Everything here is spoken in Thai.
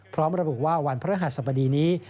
พร้อมระบุว่าวันพระหัสบดีนี้